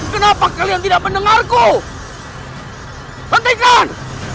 kenapa kalian tidak mendengarku pentingkan